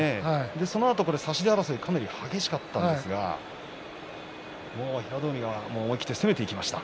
そのあとの差し手争いかなり激しかったんですが平戸海が思い切って攻めていきました。